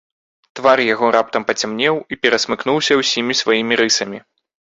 Твар яго раптам пацямнеў і перасмыкнуўся ўсімі сваімі рысамі.